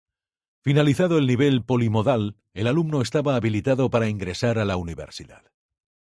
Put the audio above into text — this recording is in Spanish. Finalizado el nivel polimodal, el alumno estaba habilitado para ingresar a la Universidad.